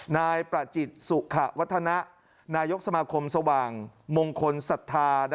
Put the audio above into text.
นายประจิตสุขะวัฒนะนายกสมาคมสว่างมงคลศรัทธา